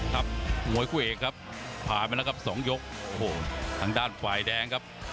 ครับมวยคู่เอกครับผ่านไปแล้วครับสองยกโอ้โหทางด้านฝ่ายแดงครับ